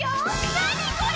何これ‼